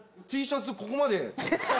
Ｔシャツここまで。